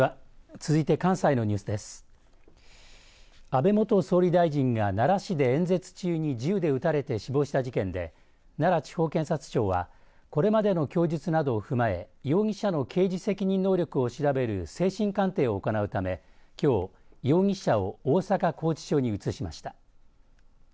安倍元総理大臣が奈良市で演説中に銃で撃たれて死亡した事件で奈良地方検察庁はこれまでの供述などを踏まえ容疑者の刑事責任能力を調べる精神鑑定を行うため、きょう容疑者を大阪拘置所に移しました。